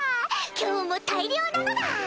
今日も大漁なのだ！